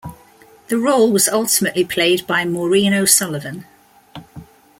The role was ultimately played by Maureen O'Sullivan.